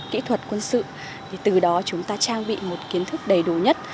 kỹ thuật quân sự thì từ đó chúng ta trang bị một kiến thức đầy đủ nhất